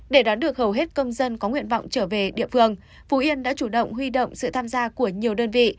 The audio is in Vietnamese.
để đón được hầu hết công dân có nguyện vọng trở về địa phương phú yên đã chủ động huy động sự tham gia của nhiều đơn vị